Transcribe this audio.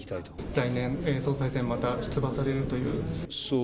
来年、総裁選、また出馬されるというふうに。